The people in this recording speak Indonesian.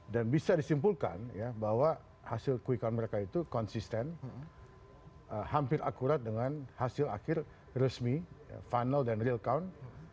dan bisa disimpulkan bahwa hasil quick count mereka itu konsisten hampir akurat dengan hasil akhir resmi final dan real count